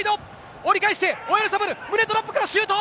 折り返して、オヤルサバル、胸トラップからシュート！